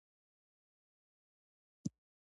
د رځړو مټايي بل شان خوږه وي